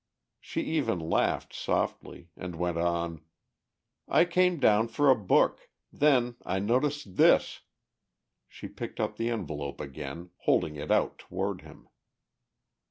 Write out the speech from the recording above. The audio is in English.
She even laughed softly, and went on: "I came down for a book. Then I noticed this." She picked up the envelope again, holding it out toward him.